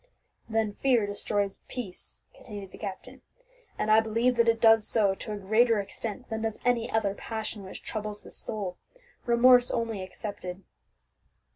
"Then fear destroys peace," continued the captain, "and I believe that it does so to a greater extent than does any other passion which troubles the soul, remorse only excepted.